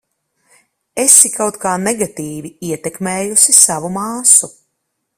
Esi kaut kā negatīvi ietekmējusi savu māsu.